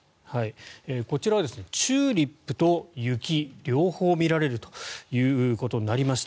こちらはチューリップと雪両方見られるということになりました。